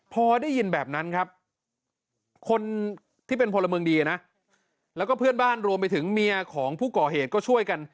พอได้ยินแบบนั้นครับคนที่เป็นพลเมืองดีนะแล้วก็เพื่อนบ้านรวมไปถึงเมียของผู้ก่อเหตุก็ช่วยกัน